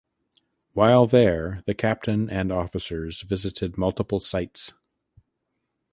While there the captain and officers visited multiple sites.